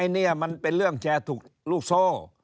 นี่มันเป็นเรื่องแชร์ถูกลูกโซ่